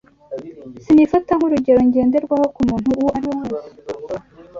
Sinifata nk’urugero ngenderwaho ku muntu uwo ariwe wese